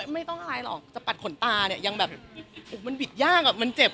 ไม่ต้องอะไรหรอกจะปัดขนตาเนี่ยยังแบบมันบิดยากอ่ะมันเจ็บ